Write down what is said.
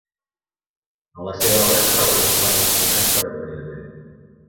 En la seva obra es troben uns quants assassinats per enverinament.